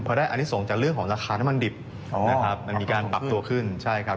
เพราะได้อันนี้ส่งจากเรื่องของราคาน้ำมันดิบนะครับมันมีการปรับตัวขึ้นใช่ครับ